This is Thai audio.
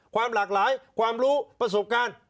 ความหลากหลายความรู้ประสบการณ์